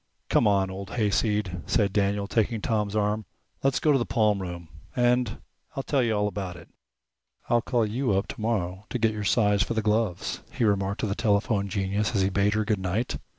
"Come on, old hayseed," said Daniel, taking Tom's arm. "Let's go into the palmroom, and I'll tell you all about it." "I'll call you up tomorrow to get your size for the gloves," he remarked to the telephone genius as he bade her good night.